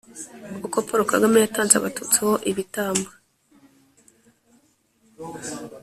uko paulo kagame yatanze abatutsi ho ibitambo